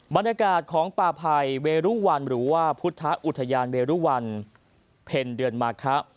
บรรยากาศของป่าภัยเวรุวันหรือว่าพุทธอุทยานเวรุวันเพ็ญเดือนมาคะ